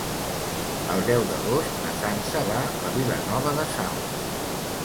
El deu d'agost na Sança va a Vilanova de Sau.